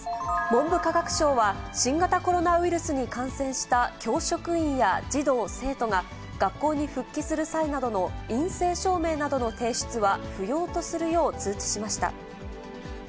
文部科学省は、新型コロナウイルスに感染した教職員や児童・生徒が、学校に復帰する際などの陰性証明などの提出は不要とするよう通知しました。